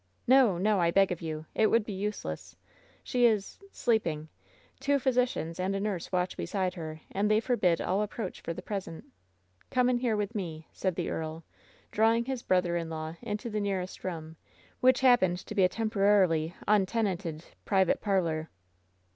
"No, no, I beg of you ! It would be* useless ! She is — sleeping ! Two physicians and a nurse watch beside her, and they forbid all approach for the present. Come in here with me !" said the earl, drawing his brother in law into the nearest room, which happened to be a tempo rarily untenanted private parlor.